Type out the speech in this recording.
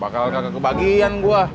bakal gak kebagian gue